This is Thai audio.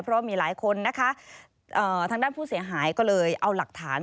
เพราะมีหลายคนนะคะทางด้านผู้เสียหายก็เลยเอาหลักฐาน